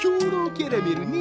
キャラメルねえ。